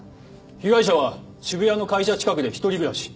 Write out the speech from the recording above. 被害者は渋谷の会社近くで一人暮らし。